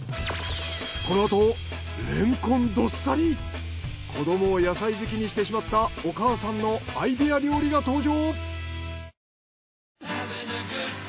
このあとレンコンどっさり子どもを野菜好きにしてしまったお母さんのアイデア料理が登場。